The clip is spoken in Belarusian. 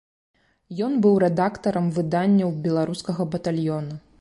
Ён быў рэдактарам выданняў беларускага батальёна.